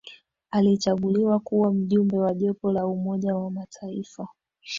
Alichaguliwa kuwa Mjumbe wa Jopo la Umoja wa Mataifa